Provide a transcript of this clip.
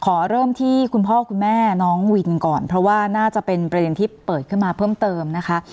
ขอเริ่มที่คุณพ่อคุณแม่น้องวินก่อนเพราะว่าน่าจะเป็นประเด็นที่เปิดขึ้นมาเพิ่มเติมนะคะ